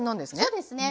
そうですね。